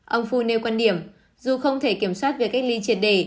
ông phu nêu quan điểm dù không thể kiểm soát về cách ly triệt đề